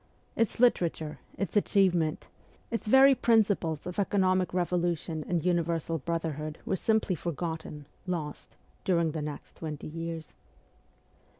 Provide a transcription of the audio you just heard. Its litera ture, its achievements, its very principles of economic 84 MEMOIRS OF A REVOLUTIONIST revolution and universal brotherhood were simply for gotten, lost, during the next twenty years.